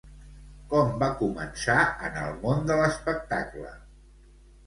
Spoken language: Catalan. Com va començar en el món de l'espectacle?